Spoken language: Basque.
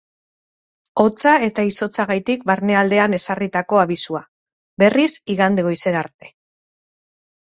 Hotza eta izotzagatik barnealdean ezarritako abisua, berriz, igande goizera arte.